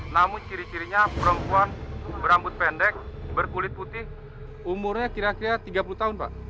namun ciri cirinya perempuan berambut pendek berkulit putih umurnya kira kira tiga puluh tahun pak